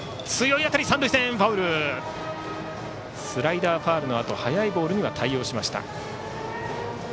スライダーをファウルのあと速いボールには対応しました。